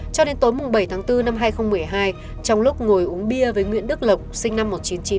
cho đến tối bảy tháng bốn năm hai nghìn một mươi hai trong lúc ngồi uống bia với nguyễn đức lộc sinh năm một nghìn chín trăm tám mươi